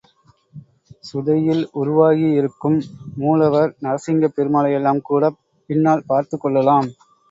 சுதையில் உருவாகியிருக்கும் மூலவர் நரசிங்கப் பெருமாளையெல்லாங்கூடப் பின்னால் பார்த்துக் கொள்ளலாம்.